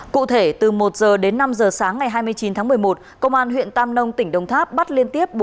cụ thể từ một giờ đến năm h sáng ngày hai mươi chín tháng một mươi một công an huyện tam nông tỉnh đồng tháp bắt liên tiếp